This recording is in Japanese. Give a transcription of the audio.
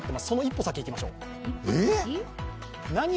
その１歩先いきましょう。